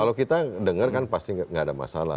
kalau kita dengar kan pasti nggak ada masalah